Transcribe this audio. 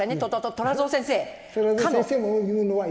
虎造先生。